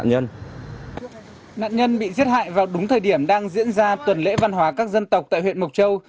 nạn nhân bị giết hại vào đúng thời điểm đang diễn ra tuần lễ văn hóa các dân tộc tại huyện mộc châu